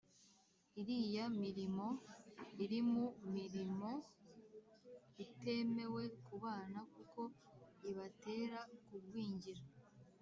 iriya mirimo iri mu mirimo itemewe ku bana kuko ibatera kugwingira